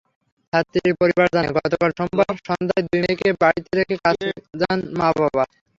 ছাত্রীর পরিবার জানায়, গতকাল সোমবার সন্ধ্যায় দুই মেয়েকে বাড়িতে রেখে কাজে যান মা–বাবা।